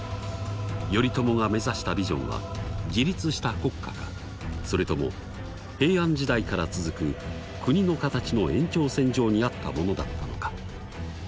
頼朝が目指したビジョンは「自立した国家」かそれとも平安時代から続く「国のかたちの延長線上」にあったものだったのか？